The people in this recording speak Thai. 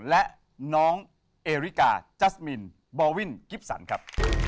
และน้องเอริกาจัสมินบอลวินกิฟสันครับ